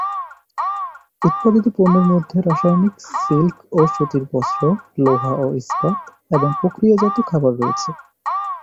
উৎপাদিত পণ্যের মধ্যে রাসায়নিক, সিল্ক ও সুতির বস্ত্র, লোহা ও ইস্পাত এবং প্রক্রিয়াজাত খাবার রয়েছে।